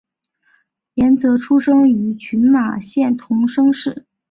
岩泽出生于群马县桐生市。